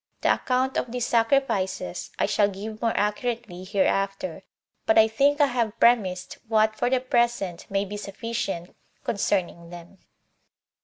The account of these sacrifices I shall give more accurately hereafter; but I think I have premised what for the present may be sufficient concerning them.